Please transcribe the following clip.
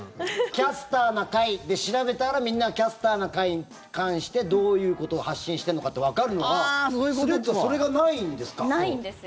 「キャスターな会」で調べたらみんなが「キャスターな会」に関してどういうことを発信しているのかってわかるのがないんですよ。